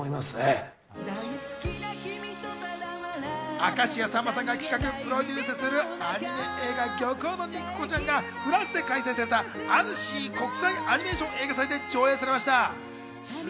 明石家さんまさんが企画・プロデュースするアニメが『漁港の肉子ちゃん』がフランスで開催されたアヌシー国際アニメーション映画祭で上映されました。